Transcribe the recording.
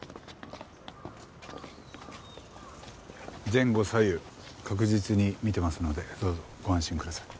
前後左右確実に見てますのでどうぞご安心ください。